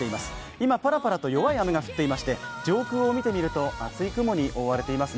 今ぱらぱらと弱い雨が降っていまして、上空を見てみますと厚い雲に覆われています。